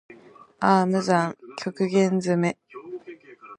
ああ無惨～極限責め～